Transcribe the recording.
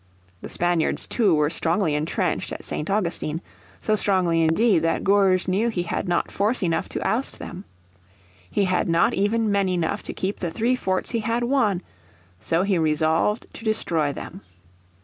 The Spaniards, too, were strongly entrenched at St. Augustine, so strongly indeed that Gourges knew he had not force enough to oust them. He had not even men enough to keep the three forts he had won. So he resolved to destroy them.